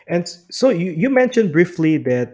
anda menyebutkan secara pendek